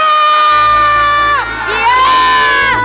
tukang pijit nyasar